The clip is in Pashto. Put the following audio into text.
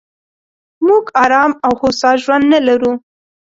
موږ ارام او هوسا ژوند نه لرو.